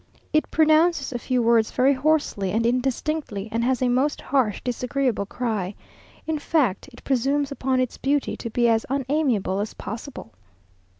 It pronounces a few words very hoarsely and indistinctly, and has a most harsh, disagreeable cry. In fact it presumes upon its beauty to be as unamiable as possible.